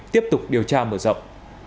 tiếp tục điều tra mở rộng